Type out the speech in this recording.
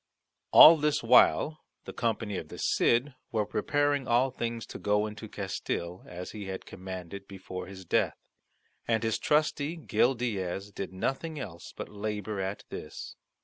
All this while the company of the Cid were preparing all things to go into Castille, as he had commanded before his death; and his trusty Gil Diaz did nothing else but labour at this.